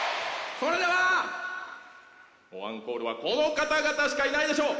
それでは、アンコールはこの方々しかいないでしょう。